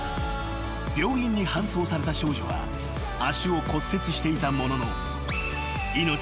［病院に搬送された少女は足を骨折していたものの］